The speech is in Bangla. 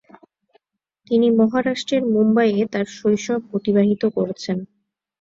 তিনি মহারাষ্ট্রের মুম্বইয়ে তাঁর শৈশব অতিবাহিত করেছেন।